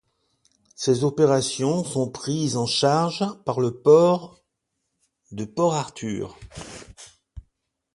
Ces opérations sont prises en charge par le port de Port Arthur.